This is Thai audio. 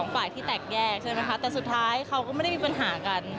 ไผ่แดงต้องติดตามดูนะคะ